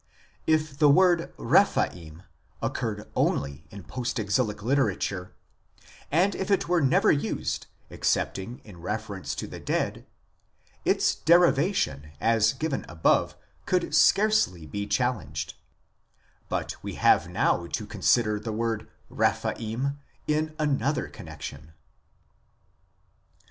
If the word Rephaim occurred only in post exilic literature, and if it were never used excepting in reference to the dead, its derivation as given above could scarcely be challenged ; but we have now to consider the word Rephaim in another connexion.